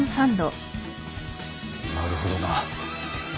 なるほどな。